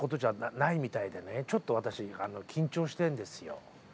ちょっと私緊張してんですよ。